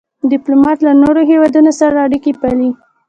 ډيپلومات له نورو هېوادونو سره اړیکي پالي.